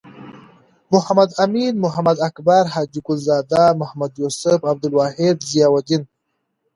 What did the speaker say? محمد امین.محمد اکبر.حاجی ګل زاده. محمد یوسف.عبدالواحد.ضیاالدین